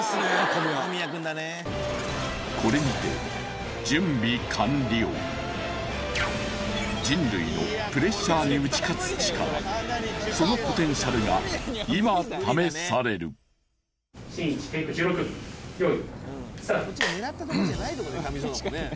これにて人類のプレッシャーに打ち勝つ力そのポテンシャルが今試されるシーン１テイク１６よいスタート。